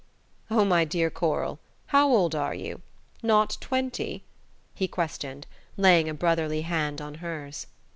"Oh, my dear Coral how old are you? Not twenty?" he questioned, laying a brotherly hand on hers.